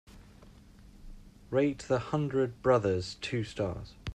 Rate The Hundred Brothers two stars.